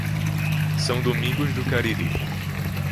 São Domingos do Cariri